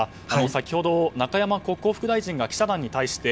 先ほど中山国交副大臣が記者団に対して